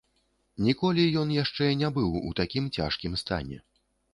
Ніколі ён яшчэ не быў у такім цяжкім стане.